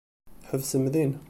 Ḥebsem din.